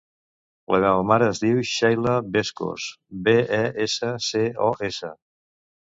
La meva mare es diu Sheila Bescos: be, e, essa, ce, o, essa.